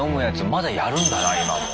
まだやるんだな今も。